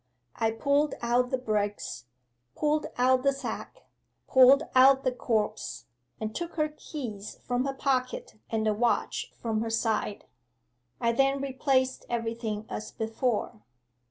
I pulled out the bricks, pulled out the sack, pulled out the corpse, and took her keys from her pocket and the watch from her side. 'I then replaced everything as before.